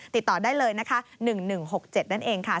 ติดต่อได้เลยนะคะหนึ่งหนึ่งหกเซ็ตนั่นเองค่ะ